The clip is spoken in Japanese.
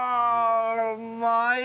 うまい！